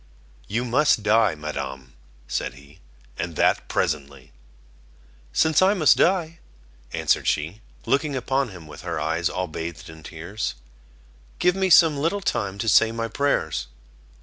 "You must die, Madam," said he, "and that presently." "Since I must die," answered she, looking upon him with her eyes all bathed in tears, "give me some little time to say my prayers."